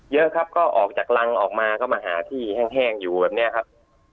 เยอะครับก็ออกจากรังออกมาก็มาหาที่แห้งอยู่แบบนี้ครับ